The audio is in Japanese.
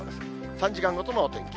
３時間ごとのお天気。